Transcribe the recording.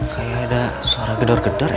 kayak ada suara gedor gedor ya